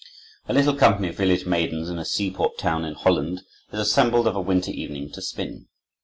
A little company of village maidens, in a seaport town in Holland, is assembled of a winter evening to spin.